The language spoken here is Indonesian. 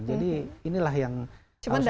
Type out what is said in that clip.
jadi inilah yang harus kita lakukan